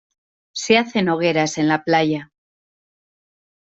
Se hacen hogueras en la playa.